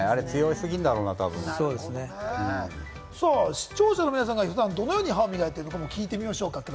視聴者の皆さん、普段どのように歯を磨いているか、聞いてみましょうか。